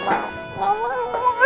gak mau gak mau